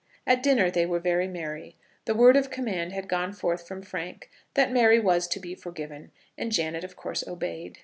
At dinner they were very merry. The word of command had gone forth from Frank that Mary was to be forgiven, and Janet of course obeyed.